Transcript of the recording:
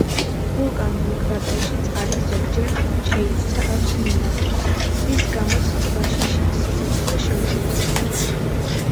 ვულკანურ კრატერში წყალი ზოგჯერ შეიცავს მინარევებს, რის გამოც ტბაში სიცოცხლე შეუძლებელია.